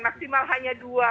maksimal hanya dua